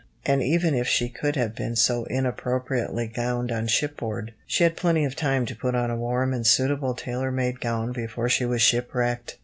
And even if she could have been so inappropriately gowned on shipboard, she had plenty of time to put on a warm and suitable tailor made gown before she was shipwrecked.